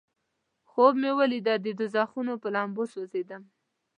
خوب مې لیده د دوزخونو په لمبو سوځیدل.